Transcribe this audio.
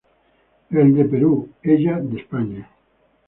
Él de Perú, ella de España.